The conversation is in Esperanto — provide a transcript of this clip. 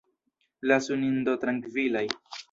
Lasu nin do trankvilaj.